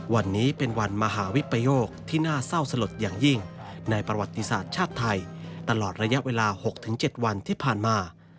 วันนี้เป็นวันมหาวิปโยคที่น่าเศร้าสลดอย่างยิ่งในประวัติศาสตร์ชาติไทยตลอดระยะเวลา๖๗วันที่ผ่านมา